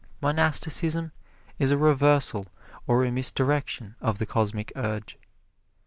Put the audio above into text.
Monasticism is a reversal or a misdirection of the Cosmic Urge.